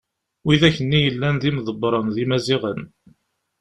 widak-nni yellan d imḍebren d imaziɣen.